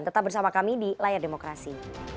tetap bersama kami di layar demokrasi